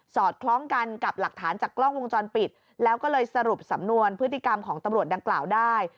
อดคล้องกันกับหลักฐานจากกล้องวงจรปิดแล้วก็เลยสรุปสำนวนพฤติกรรมของตำรวจดังกล่าวได้